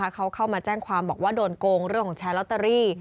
เขาเข้ามาแจ้งความบอกว่าโดนโกงเรื่องของแชร์ลอตเตอรี่